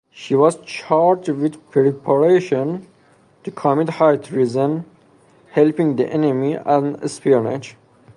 She was charged with "preparation" to commit high treason, helping the enemy and espionage.